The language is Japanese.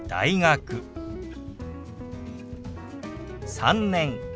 「３年」。